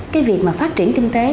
cái việc mà phát triển kinh tế